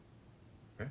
えっ？